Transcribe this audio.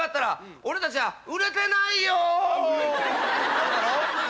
そうだろ？